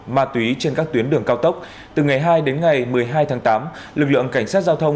ma túy trên các tuyến đường cao tốc từ ngày hai đến ngày một mươi hai tháng tám lực lượng cảnh sát giao thông